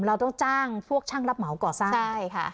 เราต้องจ้างพวกช่างรับเหมาก่อสร้างใช่ค่ะ